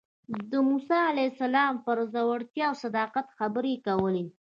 ده د موسی علیه السلام پر زړورتیا او صداقت خبرې کولې.